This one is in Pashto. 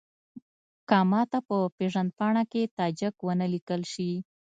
که ماته په پېژندپاڼه کې تاجک ونه لیکل شي.